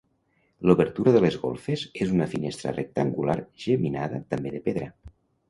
L'obertura de les golfes és una finestra rectangular geminada també de pedra.